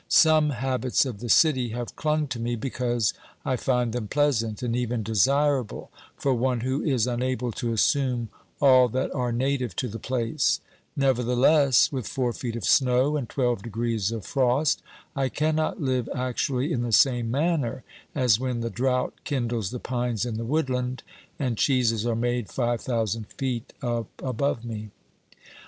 Some habits of the city have clung to me, because I find them pleasant and even desirable for one who is unable to assume all that are native to the place ; nevertheless, with four feet of snow and twelve degrees of frost, I cannot live actually in the same manner as when the drought kindles the pines in the woodland, and cheeses are made five thousand feet up above me.